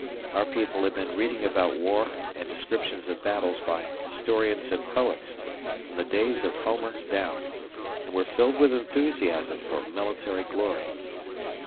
Our people had been reading about war and descriptions of battles by historians and poets, from the days of Homer down, and were filled with enthusiasm for military glory.